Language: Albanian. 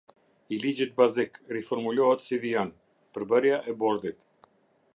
I Ligjit bazik, riformulohet si vijon: Përbërja e Bordit.